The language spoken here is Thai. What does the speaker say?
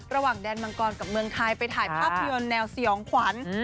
แดนมังกรกับเมืองไทยไปถ่ายภาพยนตร์แนวสยองขวัญ